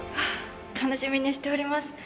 楽しみにしております